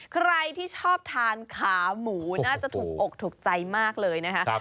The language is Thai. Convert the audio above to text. ใครที่ชอบทานขาหมูน่าจะถูกอกถูกใจมากเลยนะคะ